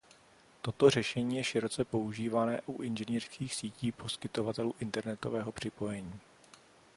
Toto řešení je široce používané u inženýrských sítí poskytovatelů internetového připojení.